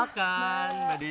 mbak desi ini korina